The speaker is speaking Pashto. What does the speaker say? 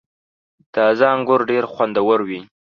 • تازه انګور ډېر خوندور وي.